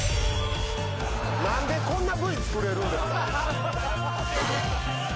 何でこんなＶ作れるんですか？